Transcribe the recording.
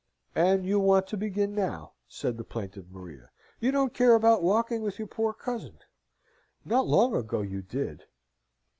"And you want to begin now," said the plaintive Maria. "You don't care about walking with your poor cousin. Not long ago you did."